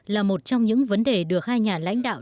là một trong những vấn đề được hai nhà lãnh đạo